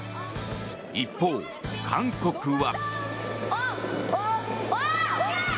一方、韓国は。